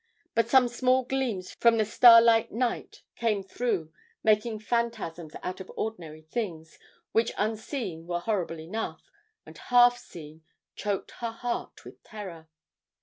But some small gleams from the star light night came through, making phantasms out of ordinary things, which unseen were horrible enough, and half seen choked her heart with terror.